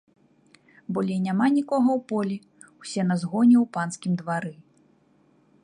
Болей няма нікога ў полі, усе на згоне ў панскім двары.